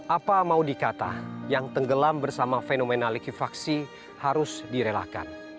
apa mau dikata yang tenggelam bersama fenomena likuifaksi harus direlakan